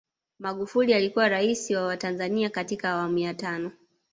magufuli alikuwa rais wa tanzania katika awamu ya tano